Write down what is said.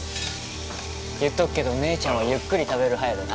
言っとくけど姉ちゃんはゆっくり食べる派やでな・